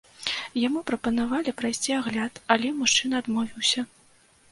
Яму прапанавалі прайсці агляд, але мужчына адмовіўся.